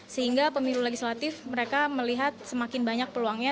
sehingga pemilu legislatif mereka melihat semakin banyak peluangnya